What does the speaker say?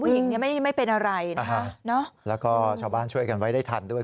โชคดีมากเลยนะคุณผู้หญิงไม่เป็นอะไรนะคะแล้วก็ชาวบ้านช่วยกันไว้ได้ทันด้วย